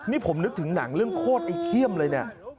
นี่ผมนึกถึงหนังเรื่องโคตรไอ้เขี้ยมเลยเนี่ย